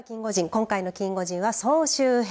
今回のキンゴジンは総集編。